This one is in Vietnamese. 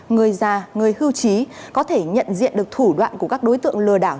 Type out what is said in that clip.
người già người hưu trí có thể nhận diện được thủ đoạn của các đối tượng lừa đảo